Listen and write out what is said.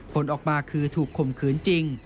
ผลออกมาคือถูกข่มขืนจริง